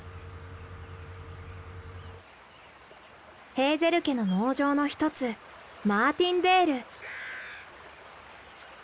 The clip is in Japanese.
ヘーゼル家の農場の一つマーティンデール。